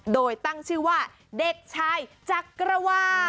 โดยตั้งชื่อว่าเด็กชายจักรวา